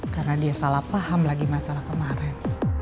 karena dia salah paham lagi masalah kemarin